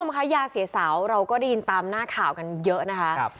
คุณผู้ชมคะยาเสียเสาเราก็ได้ยินตามหน้าข่าวกันเยอะนะคะ